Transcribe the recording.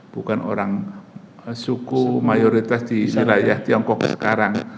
bukan orang suku mayoritas di wilayah tiongkok sekarang